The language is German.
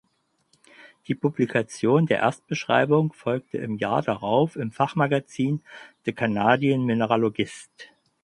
Die Publikation der Erstbeschreibung folgte im Jahr darauf im Fachmagazin "The Canadian Mineralogist".